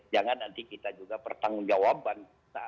jangan nanti kita juga pertanggung jawaban